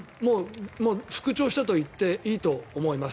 復調したと言っていいと思います。